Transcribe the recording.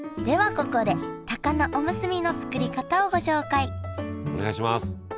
ここで高菜おむすびの作り方をご紹介お願いします。